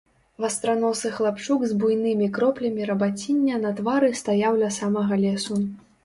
Вастраносы хлапчук з буйнымі кроплямі рабаціння на твары стаяў ля самага лесу.